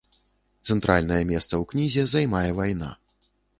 Цэнтральнае месца ў кнізе займае вайна.